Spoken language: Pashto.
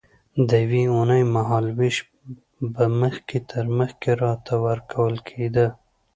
د یوې اوونۍ مهال وېش به مخکې تر مخکې راته ورکول کېده.